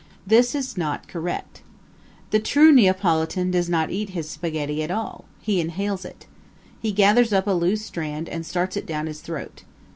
This is not correct. The true Neapolitan does not eat his spaghetti at all he inhales it. He gathers up a loose strand and starts it down his throat.